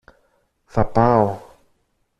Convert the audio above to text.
Θα πάω!